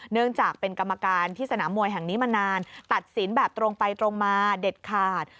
เนื่องจากเป็นกรรมการที่สนามมวยแห่งนี้มานานตัดสินแบบตรงไปตรงมาเด็ดขาด